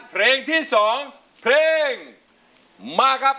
เพลงที่๒เพลงมาครับ